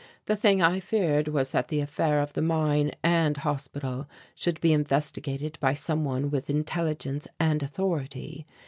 The thing I feared was that the affair of the mine and hospital should be investigated by some one with intelligence and authority.